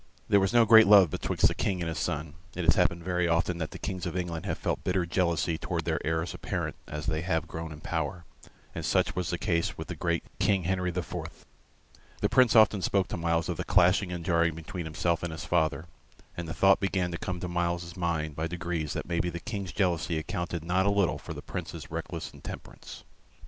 There was no great love betwixt the King and his son; it has happened very often that the Kings of England have felt bitter jealousy towards the heirs apparent as they have grown in power, and such was the case with the great King Henry IV. The Prince often spoke to Myles of the clashing and jarring between himself and his father, and the thought began to come to Myles's mind by degrees that maybe the King's jealousy accounted not a little for the Prince's reckless intemperance.